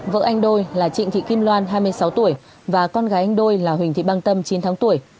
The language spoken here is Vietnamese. vợ anh đôi là trịnh thị kim loan hai mươi sáu tuổi và con gái anh đôi là huỳnh thị băng tâm chín tháng tuổi